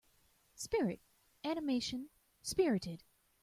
Spirit animation Spirited.